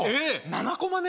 ７コマ目？